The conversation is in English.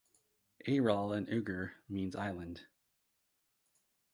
Aral in Uighur means island.